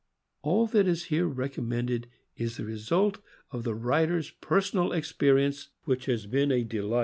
All that is here recom mended is the result of the writer's personal experience, which has been a ID pie.